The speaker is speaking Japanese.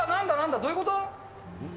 どういうこと？